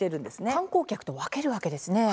観光客と分けるわけですね。